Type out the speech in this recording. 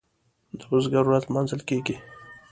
د بزګر ورځ لمانځل کیږي.